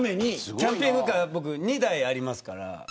キャンピングカー僕２台ありますから。